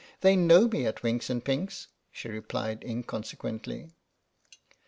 They know me at Winks and Pinks," she replied inconsequently.